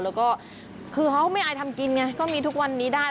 แล้วก็คือเขาไม่อายทำกินไงก็มีทุกวันนี้ได้